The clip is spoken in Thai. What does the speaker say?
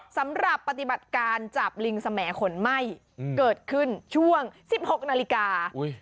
สำหรับปฏิบัติการจับลิงสมขนไหม้เกิดขึ้นช่วง๑๖นาฬิกา